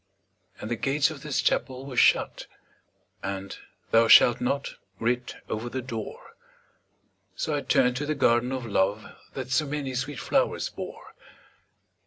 And the gates of this Chapel were shut, And 'Thou shalt not' writ over the door; So I turned to the Garden of Love That so many sweet flowers bore.